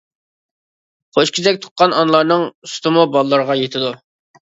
قوش كېزەك تۇغقان ئانىلارنىڭ سۈتىمۇ بالىلىرىغا يېتىدۇ.